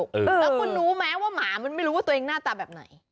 แล้วคุณรู้ไหมว่าหมามันไม่รู้ว่าตัวเองหน้าตาแบบไหน